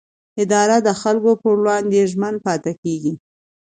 اداره د خلکو پر وړاندې ژمن پاتې کېږي.